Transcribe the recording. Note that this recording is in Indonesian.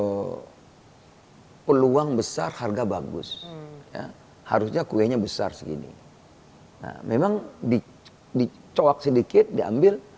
hai peluang besar harga bagus harusnya kuenya besar segini memang di di coak sedikit diambil